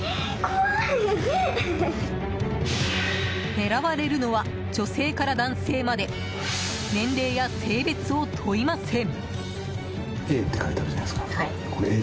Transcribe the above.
狙われるのは女性から男性まで年齢や性別を問いません。